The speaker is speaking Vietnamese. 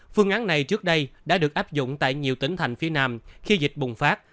phương án này trước đây đã được áp dụng tại nhiều tỉnh thành phía nam khi dịch bùng phát